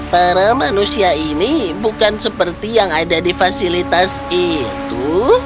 para manusia ini bukan seperti yang ada di fasilitas itu